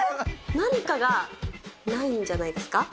何かがないんじゃないんですか。